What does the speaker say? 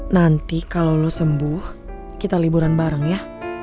nanti kalau lo sembuh kita liburan bareng ya